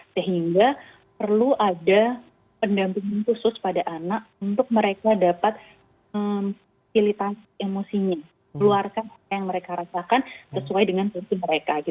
sehingga perlu ada pendampingan khusus pada anak untuk mereka dapat memfasilitasi emosinya keluarkan apa yang mereka rasakan sesuai dengan fungsi mereka